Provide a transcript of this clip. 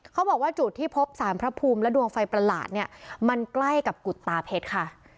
เขาบอกว่าจุดที่พบสารพระภูมิและดวงไฟประหลาดเนี่ยมันใกล้กับกุฎตาเพชรค่ะ